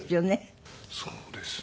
そうですね。